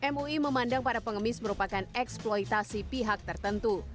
mui memandang para pengemis merupakan eksploitasi pihak tertentu